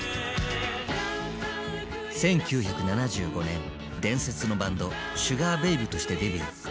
１９７５年伝説のバンドシュガー・ベイブとしてデビュー。